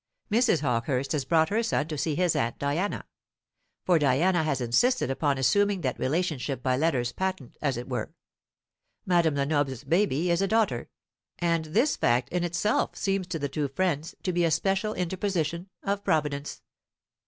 Mrs. Hawkehurst has brought her son to see his aunt Diana; for Diana has insisted upon assuming that relationship by letters patent, as it were. Madame Lenoble's baby is a daughter, and this fact in itself seems to the two friends to be a special interposition of Providence.